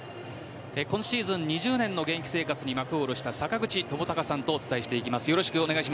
今シーズン２０年の現役生活に幕を下ろした坂口智隆さんとお伝えしていきます。